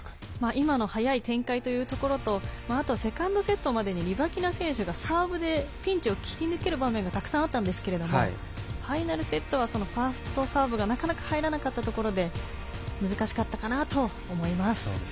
今の早い展開というところとあと、セカンドセットまでにリバキナ選手がサーブでピンチを切り抜ける場面がたくさんあったんですけれどもファイナルセットはファーストサービスがなかなか入らなかったところで難しかったかなと思います。